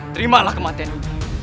terimalah kematian ini